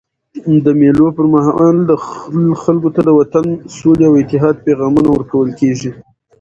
د مېلو پر مهال خلکو ته د وطن، سولي او اتحاد پیغامونه ورکول کېږي.